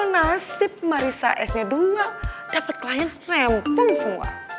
nasib marissa s nya dua dapet klien rempong semua